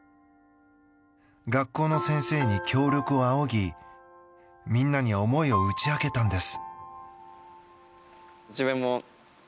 学校の先生に協力を仰ぎみんなに思いを打ち明けたんです。